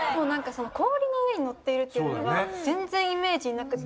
氷の上に乗っているっていうのが全然イメージになくて。